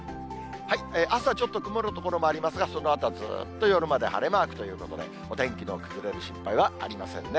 朝、ちょっと曇る所もありますが、そのあとはずーっと夜まで晴れマークということで、お天気の崩れる心配はありませんね。